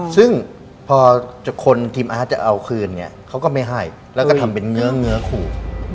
ซึ่งพอคนทีมอาร์ตจะเอาคืนเนี่ยเขาก็ไม่ให้แล้วก็ทำเป็นเนื้อขู่